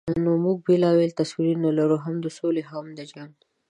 نو موږ بېلابېل تصویرونه لرو، هم د سولې او هم د جنګ.